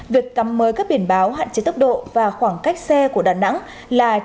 việc cắm mới các biển báo hạn chế tốc độ và khoảng cách xe của đà nẵng là